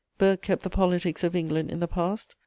Burke kept the politics of England in the past.